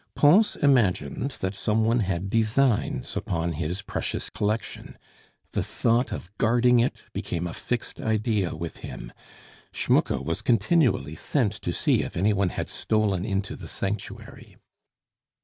Pons imagined that some one had designs upon his precious collection; the thought of guarding it became a fixed idea with him; Schmucke was continually sent to see if any one had stolen into the sanctuary.